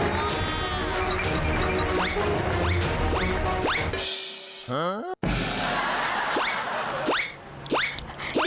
โชคดีโชคดี